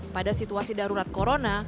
pada situasi darurat corona